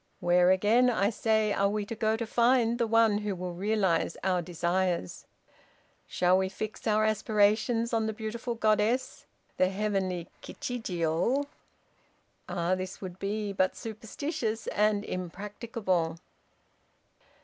Where, again, I say, are we to go to find the one who will realize our desires? Shall we fix our aspirations on the beautiful goddess, the heavenly Kichijiô? Ah! this would be but superstitious and impracticable."